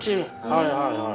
はいはいはい。